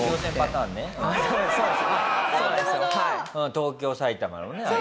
東京埼玉だよねあれ。